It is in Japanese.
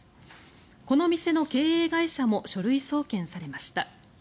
この店の経営会社も書類送検されました。